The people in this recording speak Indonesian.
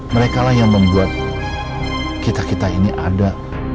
mereka lah yang membuat kita kita ini ada